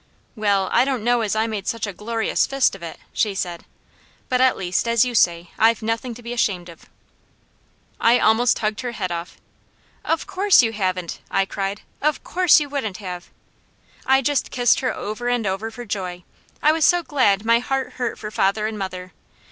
"Well, I don't know as I made such a glorious fist of it," she said, "but at least, as you say, I've nothing to be ashamed of!" I almost hugged her head off. "Of course you haven't!" I cried. "Of course you wouldn't have!" I just kissed her over and over for joy; I was so glad my heart hurt for father and mother.